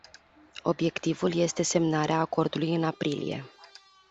Obiectivul este semnarea acordului în aprilie.